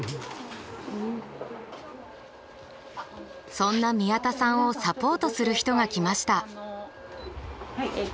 そんな宮田さんをサポートする人が来ました。